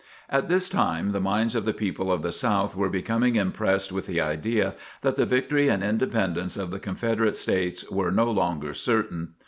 At this time the minds of the people of the South were becoming impressed with the idea that the victory and independence of the Confederate States were no longer certain.